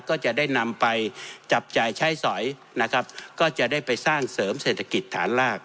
ก็จะได้นำไปจับจ่ายใช้สอยนะครับก็จะได้ไปสร้างเสริมเศรษฐกิจฐานราก